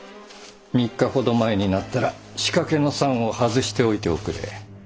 ３日ほど前になったら仕掛けの桟を外しておいておくれ。